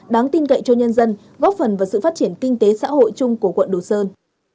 đáng tin cậy cho nhân dân góp phần vào sự phát triển kinh tế xã hội chung của quận đồ sơn